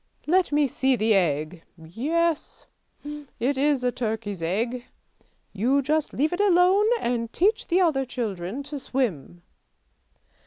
Let me see the egg! Yes, it is a turkey's egg! You just leave it alone and teach the other children to swim."